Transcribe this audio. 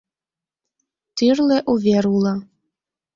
Тӱрлӧ увер уло.